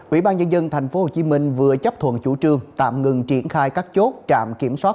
ủy ban nhân dân tp hcm vừa chấp thuận chủ trương tạm ngừng triển khai các chốt trạm kiểm soát